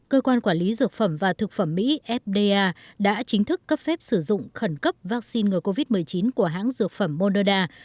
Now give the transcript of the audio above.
cơ quan quản lý dược phẩm và thực phẩm mỹ fda đã chính thức cấp phép sử dụng khẩn cấp vaccine ngừa covid một mươi chín của hãng dược phẩm moderna